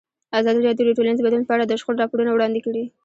ازادي راډیو د ټولنیز بدلون په اړه د شخړو راپورونه وړاندې کړي.